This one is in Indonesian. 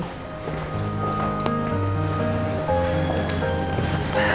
tunggu dulu ya